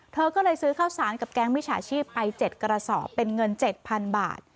เธอก็เลยซื้อข้าวสารกับแก๊งมิจฉาชีพไป๗กระสอบเป็นเงิน๗๐๐บาท